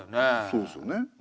そうですよね。